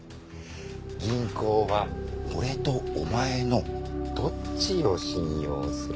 銀行は俺とお前のどっちを信用するのかな？